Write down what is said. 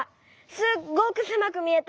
すっごくせまくみえた。